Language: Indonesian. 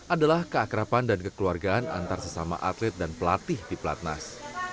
adalah keakrapan dan kekeluargaan antar sesama atlet dan pelatih di platnas